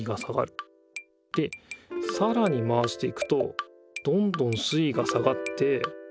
でさらに回していくとどんどん水いが下がって。